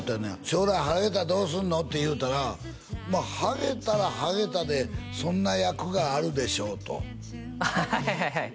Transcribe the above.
「将来ハゲたらどうすんの？」って言うたら「まあハゲたらハゲたでそんな役があるでしょう」とはいはいはい